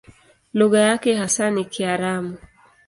Lugha yake hasa ni Kiaramu.